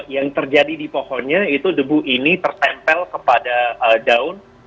yang terjadi di pohonnya itu debu ini tertempel kepada daun